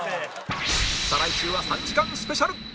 再来週は３時間スペシャル